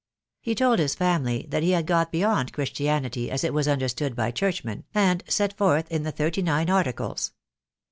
He told his family that he had got beyond Christianity as it was understood by Churchmen, and set forth in the Thirty nine Articles.